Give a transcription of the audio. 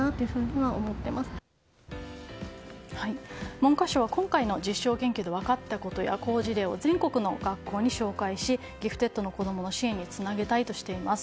文科省は今回の実証研究で分かったことや好事例を全国の学校に紹介しギフテッドの子供のつなげたいとしています。